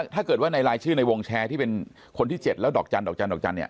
ถ้าเกิดว่าในรายชื่อในวงแชร์ที่เป็นคนที่๗แล้วดอกจันทอกจันดอกจันทร์เนี่ย